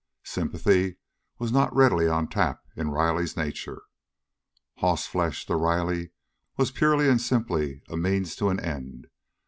Sympathy was not readily on tap in Riley's nature. "Hossflesh" to Riley was purely and simply a means to an end.